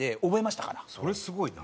それすごいな。